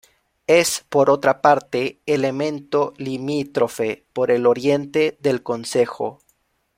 Es por otra parte elemento limítrofe por el oriente del concejo.